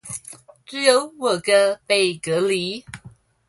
只有我哥被隔離